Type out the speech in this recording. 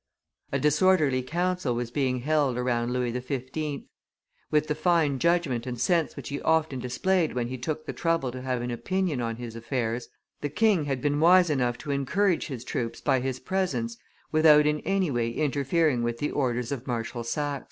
A disorderly council was being held around Louis XV. With the fine judgment and sense which he often displayed when he took the trouble to have an opinion on his affairs, the king had been wise enough to encourage his troops by his presence without in any way interfering with the orders of Marshal Saxe.